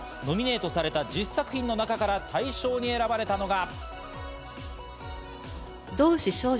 ノミネートされた１０作品の中から大賞に選ばれたのが。